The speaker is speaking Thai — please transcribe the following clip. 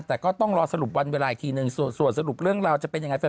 แต่ก็ต้องรอสรุปวันเวลาอีกทีหนึ่งส่วนสรุปเรื่องราวจะเป็นยังไง